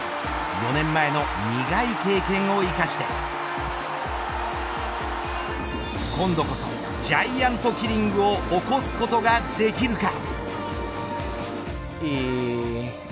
４年前の苦い経験を生かして今度こそジャイアントキリングを起こすことができるか。